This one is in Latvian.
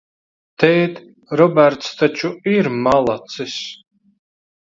Tēt, Roberts taču ir malacis?